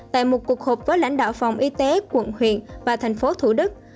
tại một cuộc hộp với lãnh đạo phòng y tế quận huyện và tp thủ đức